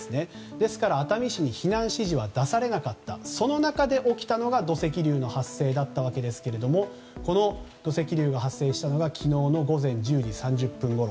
ですから、熱海市に避難指示は出されなかったその中で起きたのが土石流の発生だったわけですがこの土石流が発生したのが昨日の午前１０時３０分ごろ。